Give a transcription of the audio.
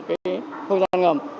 cái không gian ngầm